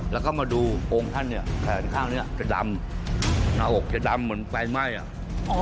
แล้วก็มาดูองค์ท่านเนี่ยแขนข้างเนี้ยจะดำหน้าอกจะดำเหมือนไฟไหม้อ่ะ